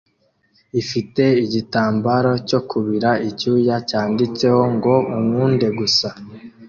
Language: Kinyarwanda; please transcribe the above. ifite igitambaro cyo kubira icyuya cyanditseho ngo "unkunde gusa"